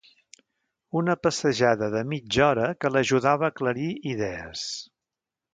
Una passejada de mitja hora que l'ajudava a aclarir idees.